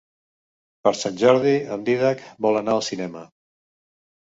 Per Sant Jordi en Dídac vol anar al cinema.